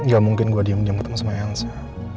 gak mungkin gua diam dua ketemu sama yansa